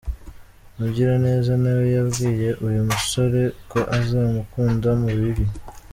Mugiraneza nawe yabwiye uyu musore ko azamukunda mu bibi